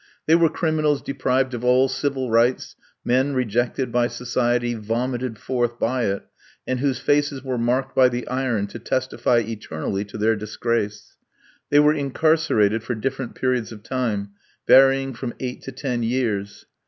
They were criminals deprived of all civil rights, men rejected by society, vomited forth by it, and whose faces were marked by the iron to testify eternally to their disgrace. They were incarcerated for different periods of time, varying from eight to ten years.